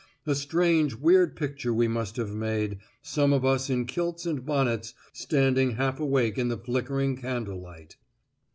A strange weird picture we must have made, some of us in kilts and bonnets, standing half awake in the flickering candle light.